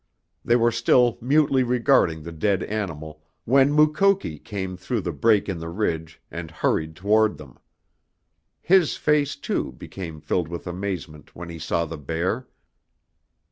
They were still mutely regarding the dead animal when Mukoki came through the break in the ridge and hurried toward them. His face, too, became filled with amazement when he saw the bear.